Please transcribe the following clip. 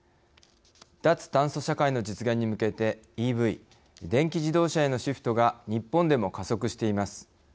脱炭素社会の実現に向けてＥＶ電気自動車へのシフトが日本でも加速しています。